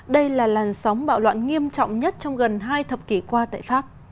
đây là làn sóng bạo loạn nghiêm trọng nhất trong gần hai thập kỷ qua tại pháp